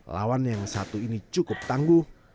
lawan yang satu ini cukup tangguh